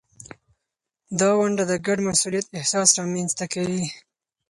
دا ونډه د ګډ مسؤلیت احساس رامینځته کوي.